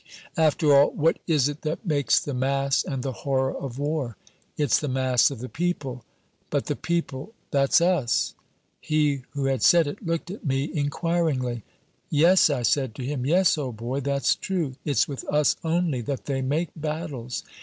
"After all, what is it that makes the mass and the horror of war?" "It's the mass of the people." "But the people that's us!" He who had said it looked at me inquiringly. "Yes," I said to him, "yes, old boy, that's true! It's with us only that they make battles.